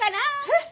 えっ？